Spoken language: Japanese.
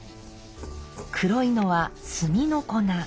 黒いのは炭の粉。